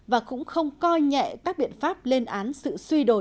và cũng không coi nhẹ các biện pháp lên án sự suy đổi